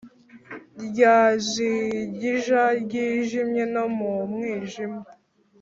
Ryajigija ryijimye no mu mwijima